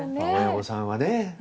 親御さんはね。